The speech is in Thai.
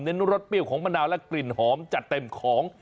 รสเปรี้ยวของมะนาวและกลิ่นหอมจัดเต็มของ